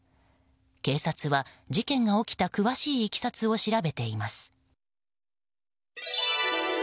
警察は事件が起きた詳しいいきさつを調べています。